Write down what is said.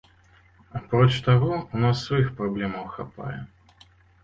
Апроч таго, у нас сваіх праблемаў хапае.